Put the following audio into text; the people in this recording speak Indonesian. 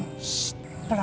ssshh pelan pelan ruth